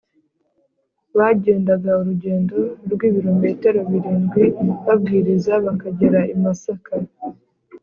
bagendaga urugendo rw ibirometero birindwi babwiriza bakagera i Masaka